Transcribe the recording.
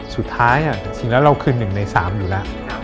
สุดท้ายสิ่งที่เราคือ๑ใน๓อยู่แล้ว